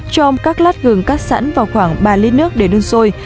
chom các lát gừng cắt sẵn vào khoảng ba lít nước để đun sôi